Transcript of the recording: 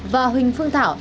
và huỳnh phương thảo